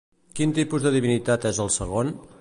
Quin tipus de divinitat és el segon?